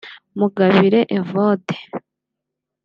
Mugabire Evode